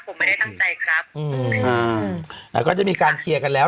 ผมไม่ได้ตั้งใจครับอืมอ่าแล้วก็จะมีการเคลียร์กันแล้ว